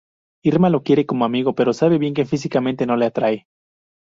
Irma lo quiere como amigo pero sabe bien que físicamente no le atrae.